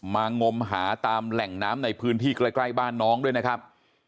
งมหาตามแหล่งน้ำในพื้นที่ใกล้บ้านน้องด้วยนะครับ